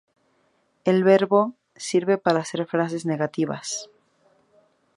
El verbo 않다 sirve para hacer frases negativas.